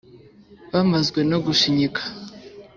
bamazwe no gushinyika